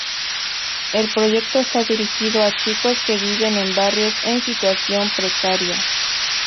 El proyecto está dirigido a chicos que viven en barrios en situación precaria.